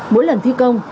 mỗi lần thi công